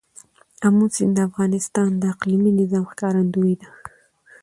آمو سیند د افغانستان د اقلیمي نظام ښکارندوی ده.